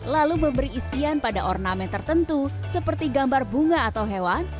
lalu memberi isian pada ornamen tertentu seperti gambar bunga atau hewan